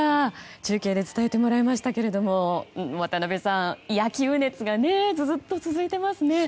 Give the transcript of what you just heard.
中継で伝えてもらいましたけれども渡辺さん野球熱がずっと続いてますね。